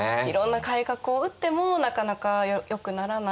いろんな改革を打ってもなかなかよくならない。